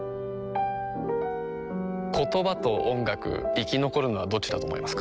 言葉と音楽生き残るのはどっちだと思いますか？